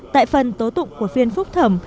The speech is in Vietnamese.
tại phần tố tụng của phiên phúc thẩm